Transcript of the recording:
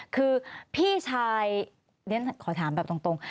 คือพี่ชายเรียนขอถามแบบตรง